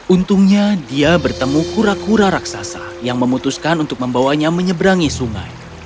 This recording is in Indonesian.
untungnya dia bertemu kura kura raksasa yang memutuskan untuk membawanya menyeberangi sungai